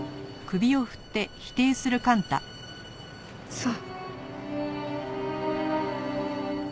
そう。